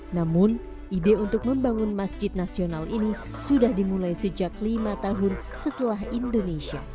namun ide untuk membangun masjid nasional ini sudah dimulai sejak lima tahun setelah indonesia